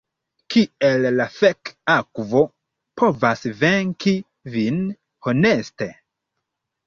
Kiel la fek' akvo povas venki vin, honeste?